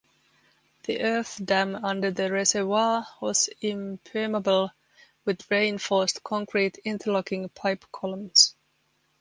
The earth dam under the Reservoir was impermeable with reinforced concrete interlocking pipe columns.